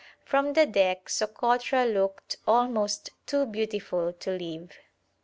From the deck Sokotra looked almost too beautiful to leave.